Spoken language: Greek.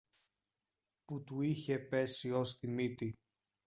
που του είχε πέσει ως τη μύτη